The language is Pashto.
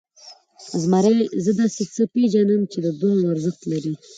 زمري، زه داسې څه پېژنم چې د دواړو ارزښت لري.